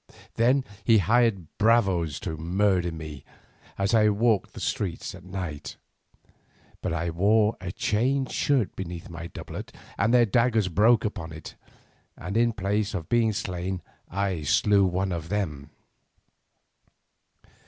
Then he hired bravos to murder me as I walked the streets at night, but I wore a chain shirt beneath my doublet and their daggers broke upon it, and in place of being slain I slew one of them.